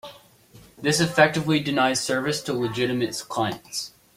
This effectively denies service to legitimate clients.